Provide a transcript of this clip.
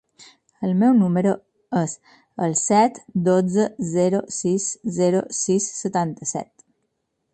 El meu número es el set, dotze, zero, sis, zero, sis, setanta-set.